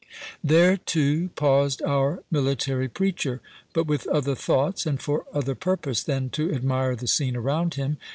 There, too, paused our military preacher, but with other thoughts, and for other purpose, than to admire the scene around him.